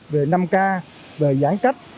về năm k về giãn cách